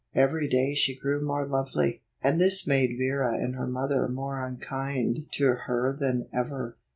Every day she grew more lovely, and this made Vera and her mother more unkind to her than ever.